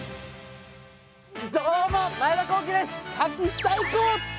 どうも前田航基です。